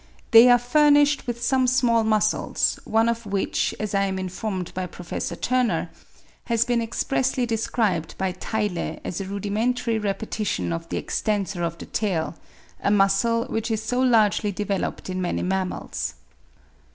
They are furnished with some small muscles; one of which, as I am informed by Prof. Turner, has been expressly described by Theile as a rudimentary repetition of the extensor of the tail, a muscle which is so largely developed in many mammals.